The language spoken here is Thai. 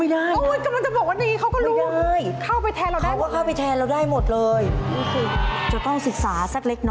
อีก๑ข้อที่เหลือนี่คือกำไรหน่อเลยเลยเลยนะครับ